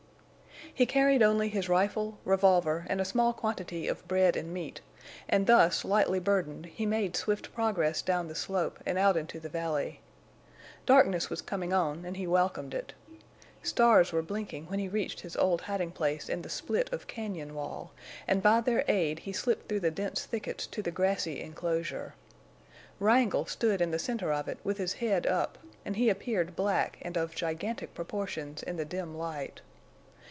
He carried only his rifle, revolver, and a small quantity of bread and meat, and thus lightly burdened, he made swift progress down the slope and out into the valley. Darkness was coming on, and he welcomed it. Stars were blinking when he reached his old hiding place in the split of cañon wall, and by their aid he slipped through the dense thickets to the grassy enclosure. Wrangle stood in the center of it with his head up, and he appeared black and of gigantic proportions in the dim light.